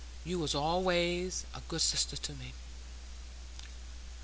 You was allays a good sister to me."